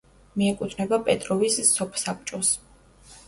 მიეკუთვნება პეტროვის სოფსაბჭოს.